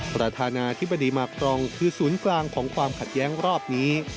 ประธานาธิบดีมาครองคือศูนย์กลางของความขัดแย้งรอบนี้